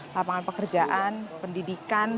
lapangan pekerjaan pendidikan